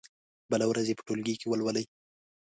بله ورځ يې په ټولګي کې ولولئ.